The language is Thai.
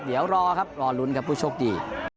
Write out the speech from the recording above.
เดี๋ยวรอครับรอลุ้นครับผู้โชคดี